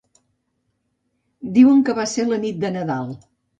Diuen que va ser la nit del Nadal.